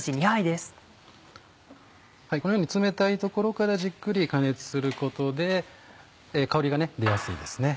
このように冷たいところからじっくり加熱することで香りが出やすいですね。